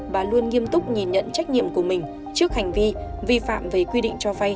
bà luôn nghiêm túc nhìn nhận trách nhiệm của mình trước hành vi vi phạm về quy định cho vay